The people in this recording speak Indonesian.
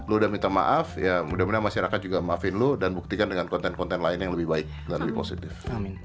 lu udah minta maaf ya mudah mudahan masyarakat juga maafin lu dan buktikan dengan konten konten lain yang lebih baik dan lebih positif